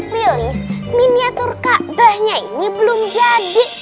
lilih miniatur kabahnya ini belum jadi